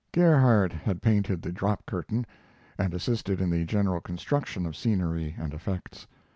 Gerhardt had painted the drop curtain, and assisted in the general construction of scenery and effects.